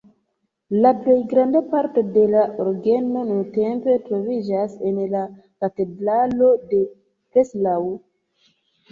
La plej granda parto de la orgeno nuntempe troviĝas en la katedralo de Breslau.